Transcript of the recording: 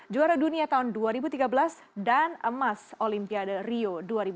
juara dunia tahun dua ribu tiga belas dan emas olimpiade rio dua ribu dua puluh